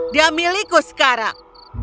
dia milikku sekarang